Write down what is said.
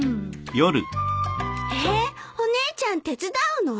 えっお姉ちゃん手伝うの？